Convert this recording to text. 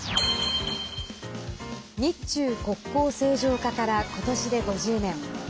日中国交正常化からことしで５０年。